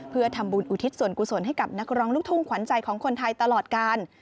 เพื่อทำบุญอุทิศส่วนกุศลให้กับนักร้องลูกทุ่งขวัญใจของคนไทยตลอดกาล